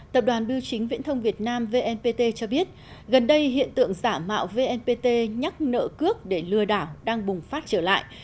tập đoàn biêu chính viễn thông việt nam vnpt cho biết gần đây hiện tượng giả mạo vnpt nhắc nợ cước để lừa đảo đang bùng phát trở lại